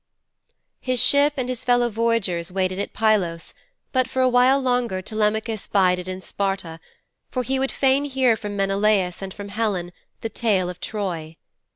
X His ship and his fellow voyagers waited at Pylos but for a while longer Telemachus bided in Sparta, for he would fain hear from Menelaus and from Helen the tale of Troy.